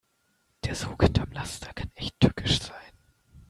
Der Sog hinterm Laster kann echt tückisch sein.